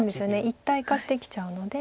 一体化してきちゃうので。